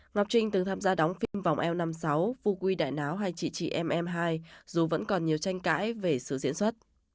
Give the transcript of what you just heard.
ngọc trinh từng tham gia đóng phim vòng l năm mươi sáu vũ quy đại náo hay chị chị em em hai dù vẫn còn nhiều tranh cãi về sự diễn xuất